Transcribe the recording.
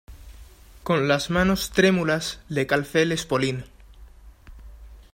con las manos trémulas le calcé el espolín.